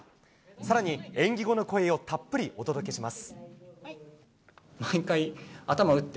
更に演技後の声をたっぷりお届けします。